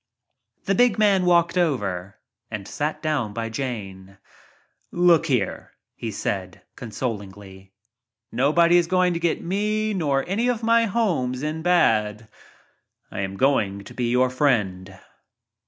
The big man walked over and sat down by Jane. "Look here," he said> consolingly, "nobody is going to get neither me nor any of my homes in bad. I am going to be your friend."